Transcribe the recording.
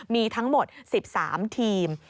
มีทั้งหมด๑๓ทีม